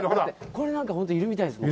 これなんかホントいるみたいですもん。